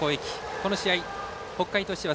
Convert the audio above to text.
この試合、北海としては